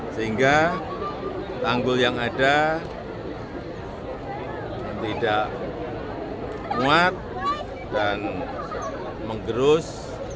sehingga tanggul yang ada tidak muat dan menggerus